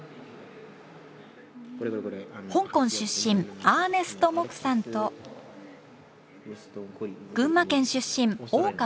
香港出身アーネストモクさんと群馬県出身大川彩果さん。